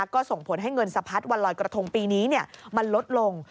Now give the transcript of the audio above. ก็ส่งผลให้เงินสะพัดวันลอยกระทงปีนี้มันลดลง